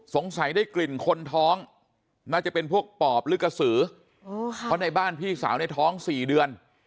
ได้กลิ่นคนท้องน่าจะเป็นพวกปอบหรือกระสือเพราะในบ้านพี่สาวในท้อง๔เดือน